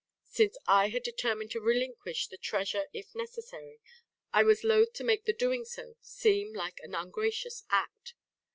Since I had determined to relinquish the treasure if necessary, I was loth to make the doing so seem like an ungracious act.